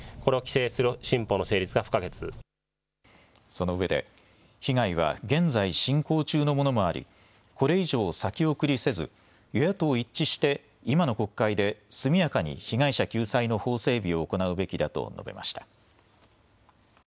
そのうえで被害は現在、進行中のものもあり、これ以上先送りせず与野党一致して今の国会で速やかに被害者救済の法整備を行うべきだと述べました。